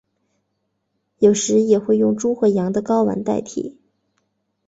有时也会用猪或羊的睾丸代替。